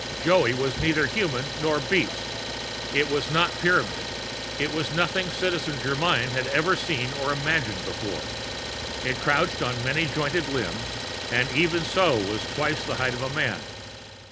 Joey was neither human nor beast; it was not Pyramid; it was nothing Citizen Germyn had ever seen or imagined before. It crouched on many jointed limbs, and even so was twice the height of a man.